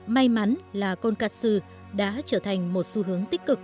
may mắn là konkatsu đã trở thành một xu hướng tích cực